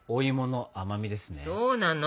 そうなの！